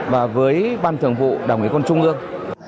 và với ban thượng vụ đảng nghệ côn trung ương